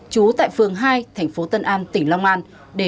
chú tại phường hai thành phố tân an